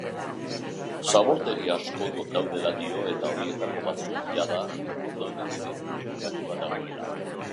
Zabortegi asko daudela dio, eta horietako batzuk jada non dauden identifikatua dagoela.